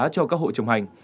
cho các hộ trồng hành